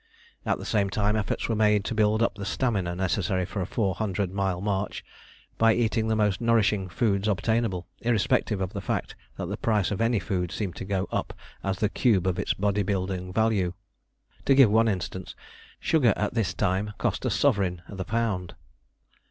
At the same time efforts were made to build up the stamina necessary for a 400 mile march by eating the most nourishing foods obtainable, irrespective of the fact that the price of any food seemed to go up as the cube of its body building value. To give one instance, sugar at this time cost a sovereign the pound.